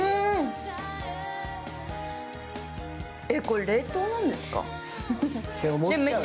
えっ、これ、冷凍なんですか？